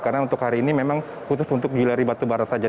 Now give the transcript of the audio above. karena untuk hari ini memang khusus untuk juliari batubara saja